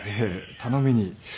頼みに。